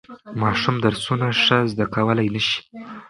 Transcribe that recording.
ماشوم درسونه ښه زده کولای نشي.